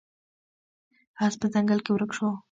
اس په ځنګل کې ورک شو.